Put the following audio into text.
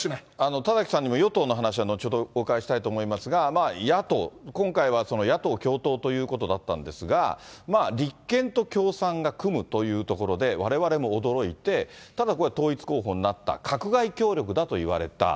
田崎さんにも与党の話は後ほどお伺いしたいと思いますが、野党、今回は野党共闘ということだったんですが、立憲と共産が組むというところで、われわれも驚いて、ただこれ、統一候補になった、閣外協力だと言われた。